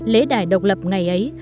lễ đài độc lập ngày ấy